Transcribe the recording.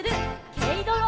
「けいどろ」